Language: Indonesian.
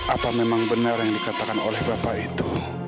apa memang benar yang dikatakan oleh bapak itu